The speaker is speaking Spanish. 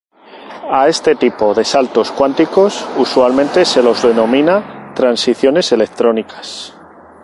A este tipo de saltos cuánticos usualmente se los denomina transiciones electrónicas.